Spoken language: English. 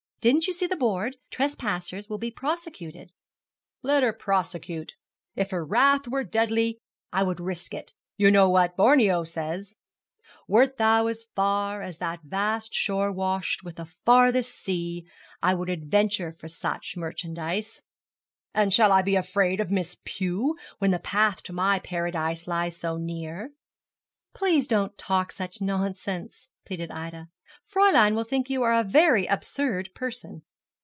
Didn't you see the board, "Trespassers will be prosecuted"?' 'Let her prosecute. If her wrath were deadly, I would risk it. You know what Romeo says "Wert thou as far As that vast shore washed with the farthest sea, I would adventure for such merchandize" And shall I be afraid of Miss Pew, when the path to my paradise lies so near?' 'Please don't talk such nonsense,' pleaded Ida; 'Fräulein will think you a very absurd person.'